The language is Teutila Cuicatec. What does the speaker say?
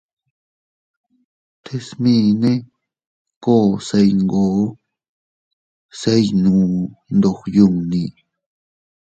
Te smine koo se iyngoo se iynuʼu ndog yunni.